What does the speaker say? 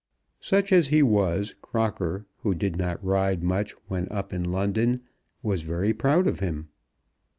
Such as he was, Crocker, who did not ride much when up in London, was very proud of him.